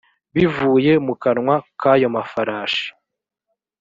bivuye mu kanwa kayo mafarashi